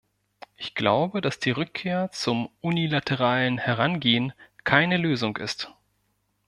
Ich glaube, dass die Rückkehr zum unilateralen Herangehen keine Lösung ist.